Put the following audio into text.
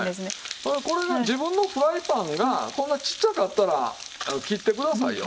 これが自分のフライパンがこんなちっちゃかったら切ってくださいよ。